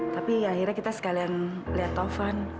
tapi akhirnya kita sekalian lihat tovan